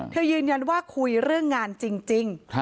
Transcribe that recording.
ยืนยันว่าคุยเรื่องงานจริง